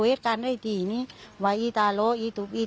เป็นสิ่งที่ไม่อยากให้เกิดขึ้น